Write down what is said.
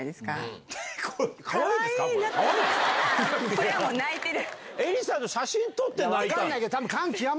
これは泣いてる。